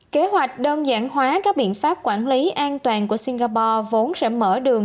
kế hoạch đơn giản hóa các biện pháp quản lý an toàn của singapore vốn sẽ mở đường